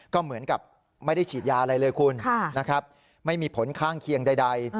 ก็เหมือนกับไม่ได้ฉีดยาอะไรเลยคุณนะครับไม่มีผลข้างเคียงใด